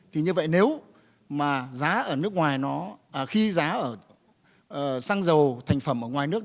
thì như vậy nếu mà giá ở nước ngoài nó khi giá ở xăng dầu thành phẩm ở ngoài nước